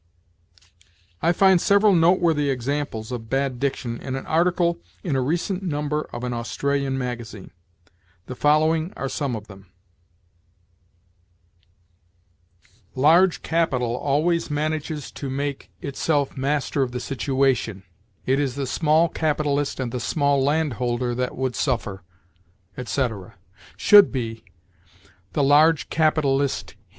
I find several noteworthy examples of bad diction in an article in a recent number of an Australian magazine. The following are some of them: "Large capital always manages to make itself master of the situation; it is the small capitalist and the small landholder that would suffer," etc. Should be, "_The large capitalist